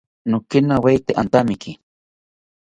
Nikinawete antamiki